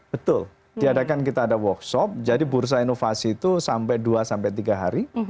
betul diadakan kita ada workshop jadi bursa inovasi itu sampai dua sampai tiga hari